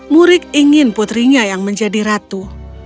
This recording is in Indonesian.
murik ingin putrinya yang menjadi ratu